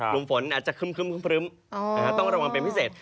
กลุ่มฝนอาจจะครึ้มต้องระวังเป็นพิเศษ